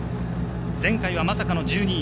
前回まさかの１２位。